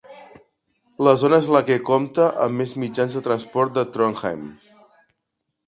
La zona és la que compta amb més mitjans de transport de Trondheim.